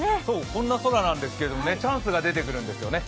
こんな空なんですけどね、チャンスが出てくるんですよね。